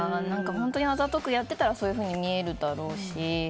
本当にあざとくやってたらそういうふうに見えるだろうし。